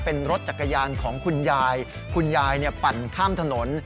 เป็นรถจักรยานของคุณยายคุณยายปั่นข้ามถนน